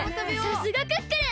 さすがクックルン！